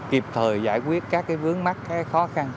kịp thời giải quyết các vướng mắt khó khăn